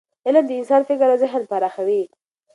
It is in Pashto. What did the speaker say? علم د انسان فکر او ذهن پراخوي.